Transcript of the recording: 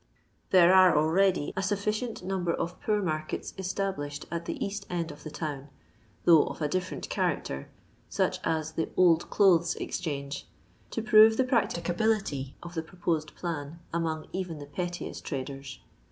There are already a sufficient number of poor markets established at the Kast end of the town — though of a different character, such as the Old Clothes Exchange — to prove the prac ticability of the proposed plan among even the pettiest traders.